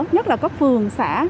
nhất là cấp phường xã